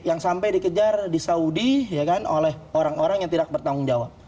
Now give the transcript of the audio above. yang sampai dikejar di saudi oleh orang orang yang tidak bertanggung jawab